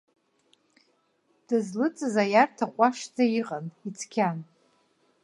Дызлыҵыз аиарҭа ҟәашӡа иҟан, ицқьан.